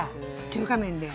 中華麺で。